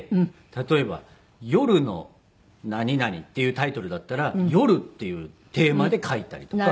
例えば夜の何々っていうタイトルだったら夜っていうテーマで描いたりとかしていますね。